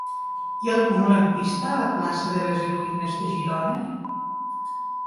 Hi ha algun lampista a la plaça de les Heroïnes de Girona?